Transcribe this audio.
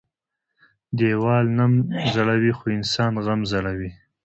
ديوال نم زړوى خو انسان غم زړوى.